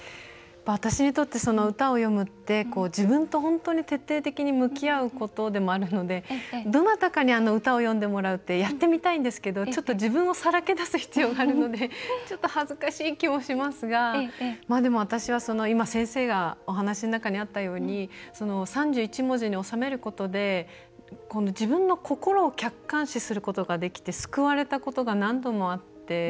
私にとって歌を詠むって自分と本当に徹底的に向き合うことでもあるのでどなたかに歌を詠んでもらうってやってみたいんですけどちょっと、自分をさらけ出す必要があるのでちょっと恥ずかしい気もしますがでも私は、今先生がお話しの中にあったように３１文字に収めることで自分の心を客観視することができて救われたことが何度もあって。